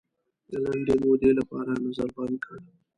د لنډې مودې لپاره نظر بند کړ.